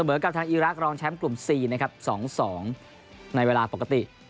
กับทางอีรักษ์รองแชมป์กลุ่ม๔นะครับ๒๒ในเวลาปกติ